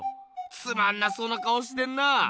つまんなそうな顔してんな。